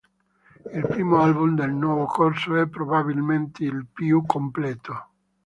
Il primo album del nuovo corso è probabilmente il più completo.